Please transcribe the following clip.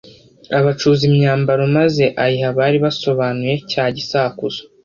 abacuza imyambaro maze ayiha abari basobanuye cya gisakuzo